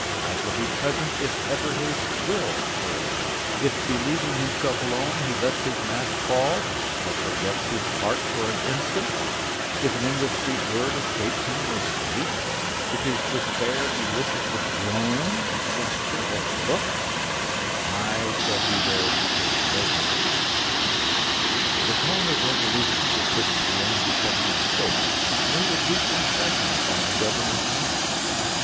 I shall be present if ever his will fails him, if, believing himself alone, he lets his mask fall, or forgets his part for an instant, if an indiscreet word escapes him in his sleep, if his despair elicits a groan, a gesture, or a look I shall be there to take note of it." The tone of resolution with which the young detective spoke made a deep impression upon the governor's mind.